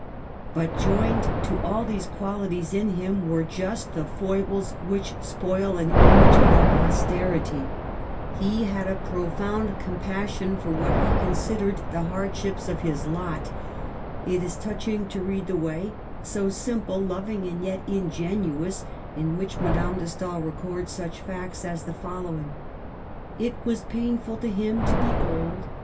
But joined to all these qualities in him were just the foibles which spoil an image for posterity. He had a (HO Digitized by VjOOQIC 142 MADAME DE STAML profound compassion for what he considered the hardships of his lot. It is touching to read the way — so simple, loving, and yet ingenuous — in which Madame de Stael records such facts as the following :—" It was painful to him to be old.